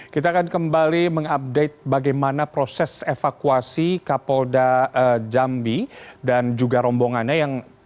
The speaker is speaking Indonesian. kita akan kembali mengupdate bagaimana proses evakuasi kapolda jambi dan juga rombongannya yang